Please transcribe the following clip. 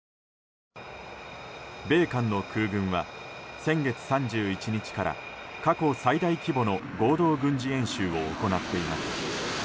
米韓の空軍は先月３１日から過去最大規模の合同軍事演習を行っています。